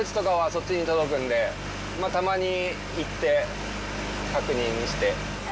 そっちに届くんで、たまに行って確認して。